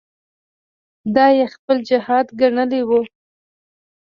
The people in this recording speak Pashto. دا یې خپل جهاد ګڼلی وو.